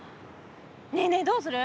ねえねえどうする？